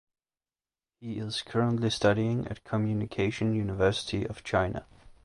He is currently studying at Communication University of China.